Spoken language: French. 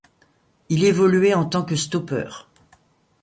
Il évoluait en tant que stoppeur.